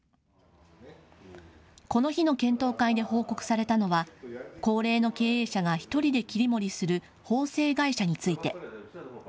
この日の検討会で報告されたのは高齢の経営者が１人で切り盛りする縫製会社について。